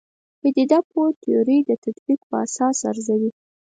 پدیده پوه تیورۍ د تطبیق په اساس ارزوي.